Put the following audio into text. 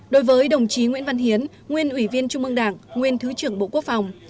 đối với đồng chí nguyễn văn hiến nguyên ủy viên trung mương đảng nguyên thứ trưởng bộ quốc phòng